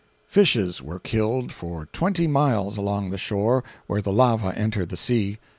542.jpg (103K) Fishes were killed for twenty miles along the shore, where the lava entered the sea.